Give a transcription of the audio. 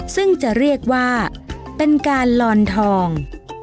ซึ่งจะเรียกว่าเป็นการลอนทอง